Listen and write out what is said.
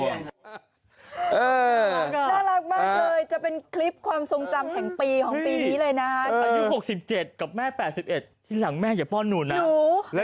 น่ารักมากเลยจะเป็นคลิปความทรงจำแห่งปีของปีนี้เลยนะอายุ๖๗กับแม่๘๑ที่หลังแม่อย่าป้อนหนูนะ